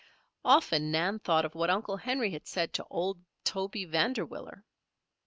Often Nan thought of what Uncle Henry had said to old Toby Vanderwiller.